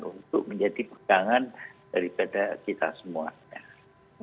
untuk menjadi pegangan daripada kita semuanya